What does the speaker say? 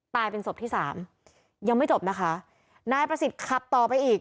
เป็นศพที่สามยังไม่จบนะคะนายประสิทธิ์ขับต่อไปอีก